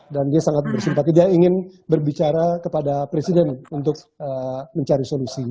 dan dia sangat bersimpati dia ingin berbicara kepada presiden untuk mencari solusinya